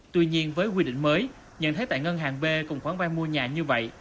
tuy nhiên với quy định mới nhận thấy tại ngân hàng b cùng khoản vay mua nhà như vậy